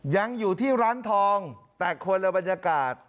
ยังอยู่ที่ร้านทองแต่คนละบรรยากาศ